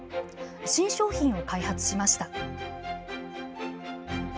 新商品を開発しました。